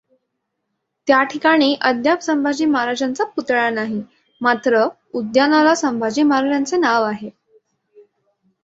त्याठिकाणी अद्याप संभाजी महाराजांचा पुतळा नाही, मात्र उद्यानाला संभाजी महाराजांचे नाव आहे.